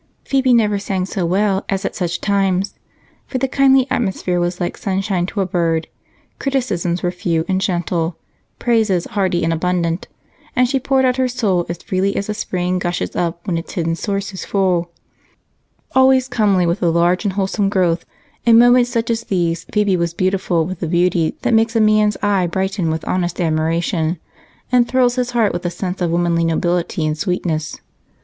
Phebe never sang so well as at such times, for the kindly atmosphere was like sunshine to a bird, criticisms were few and gentle, praises hearty and abundant, and she poured out her soul as freely as a spring gushes up when its hidden source is full. In moments such as these Phebe was beautiful with the beauty that makes a man's eye brighten with honest admiration and fills his heart with a sense of womanly nobility and sweetness.